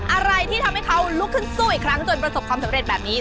อะไรที่ทำให้เขาลุกขึ้นสู้อีกครั้งจนประสบความสำเร็จแบบนี้